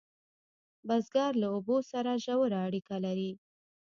بزګر له اوبو سره ژوره اړیکه لري